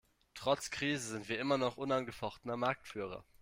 Trotz Krise sind wir immer noch unangefochtener Marktführer.